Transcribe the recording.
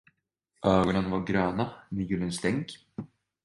Ögonen var gröna med gyllene stänk.